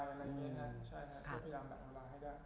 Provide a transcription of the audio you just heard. อะไรอย่างนี้นะใช่มีพิณมติมาให้ได้